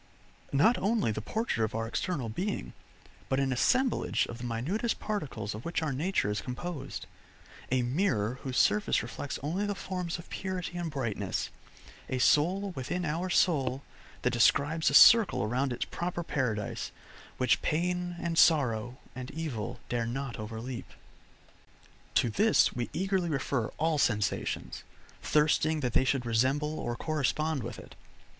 Not only the portrait of our external being, but an assemblage of the minutest particles of which our nature is composed;[Footnote: These words are ineffectual and metaphorical. Most words are so No help!] a mirror whose surface reflects only the forms of purity and brightness; a soul within our soul that describes a circle around its proper paradise, which pain, and sorrow, and evil dare not overleap. To this we eagerly refer all sensations, thirsting that they should resemble or correspond with it.